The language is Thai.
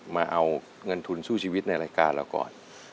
มาเอาเงินทุนสู้ชีวิตในรายการเราก่อน